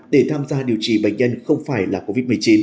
để tham gia điều trị bệnh nhân không phải là covid một mươi chín